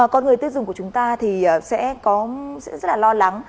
con người tiêu dùng của chúng ta thì sẽ rất là lo lắng